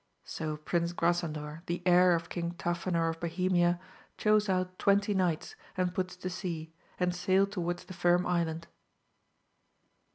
So Prince Grasandor, the heir of King Tafinor of Bohemia, chose out twenty knights, and puts to sea, and sailed to wards the Firm Island.